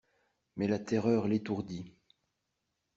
Mais la terreur l'étourdit.